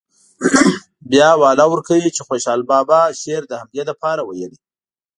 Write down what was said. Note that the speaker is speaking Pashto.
بیا حواله ورکوي چې خوشحال بابا شعر د همدې لپاره ویلی.